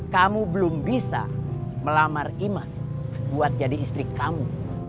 kamu belum bisa melamar imas buat jadi istri kamu